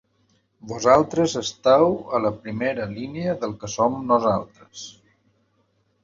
Vosaltres esteu a la primera línia del que som nosaltres.